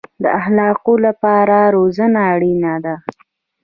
د اخلاقو لپاره روزنه اړین ده